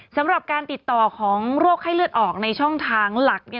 สำหรับการติดต่อของโรคไข้เลือดออกในช่องทางหลัก